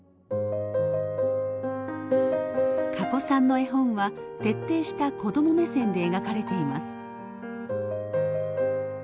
かこさんの絵本は徹底した子ども目線で描かれています。